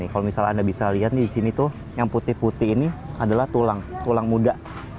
kalau misalnya anda bisa lihat di sini tuh yang putih putih ini adalah tulang tulang muda